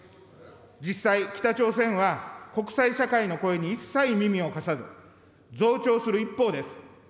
実際、北朝鮮は国際社会の声に一切耳を貸さず、増長する一方です。